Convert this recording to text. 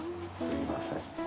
すいません。